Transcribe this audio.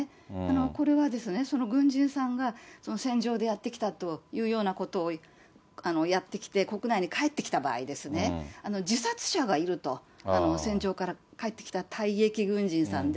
これは軍人さんが戦場でやってきたというようなことをやってきて、国内に帰ってきた場合ですね、自殺者がいると、戦場から帰ってきた退役軍人さんで。